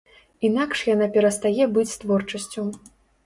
Інакш яна перастае быць творчасцю.